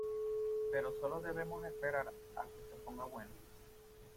pero solo debemos esperar a que se ponga bueno.